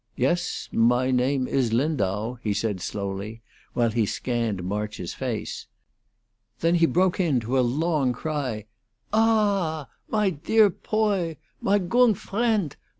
"Yes, my name is Lindau," he said, slowly, while he scanned March's face. Then he broke into a long cry. "Ah h h h h, my dear poy! my gong friendt!